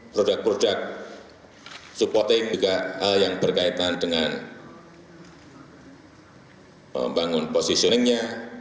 produk produk supporting juga hal yang berkaitan dengan membangun positioningnya